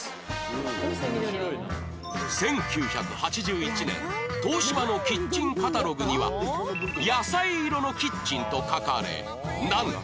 １９８１年東芝のキッチンカタログには「野菜色のキッチン」と書かれなんと